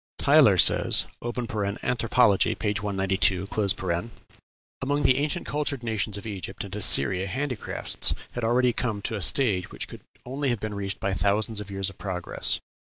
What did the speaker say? Tylor says ("Anthropology," p. 192): "Among the ancient cultured nations of Egypt and Assyria handicrafts had already come to a stage which could only have been reached by thousands of years of progress.